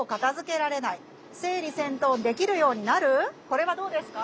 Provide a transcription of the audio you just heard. これはどうですか？